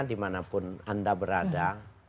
dimanapun anda berada